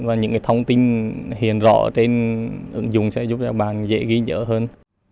và những thông tin hiền rõ trên ứng dụng sẽ giúp các bạn dễ ghi nhớ hơn